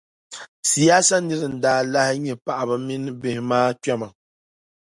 siyaayasa nira n-daa lahi nyɛ paɣiba mini bihi maa kpɛma.